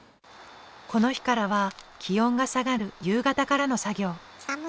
この日からは気温が下がる夕方からの作業。